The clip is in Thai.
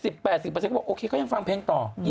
เขาบอกโอเคก็ยังฟังเพลงต่อ